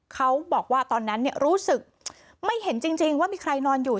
เขาบอกว่าตอนนั้นรู้สึกไม่เห็นจริงว่ามีใครนอนอยู่